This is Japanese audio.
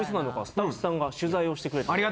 スタッフさんが取材をしてくれたようです